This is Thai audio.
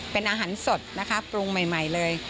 เป็นอาหารสดนะคะปรุงใหม่เลย